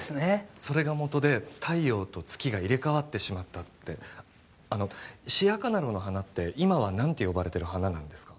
それがもとで太陽と月が入れ替わってしまったってあのシヤカナローの花って今は何て呼ばれてる花なんですか？